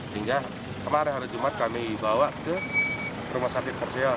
hingga kemarin hari jumat kami bawa ke rumah sakit porsial